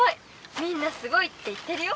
みんなすごいって言ってるよ」。